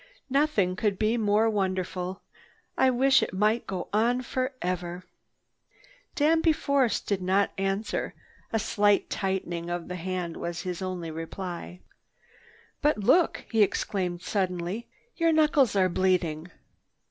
Nothing could be more wonderful. I wish it might go on forever." Danby Force did not answer. A slight tightening of the hand was his only reply. "But look!" he exclaimed suddenly. "Your knuckles are bleeding!"